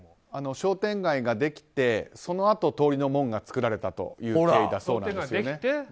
商店街ができてそのあと通りの門が造られた経緯だそうです。